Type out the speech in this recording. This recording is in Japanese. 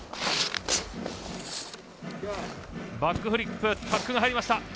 バックフリップタックが入りました。